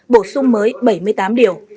bổ sung mới bảy mươi tám điều